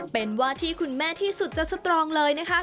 เป็นว่าที่คุณแม่ที่สุดจะสตรองเลยนะคะ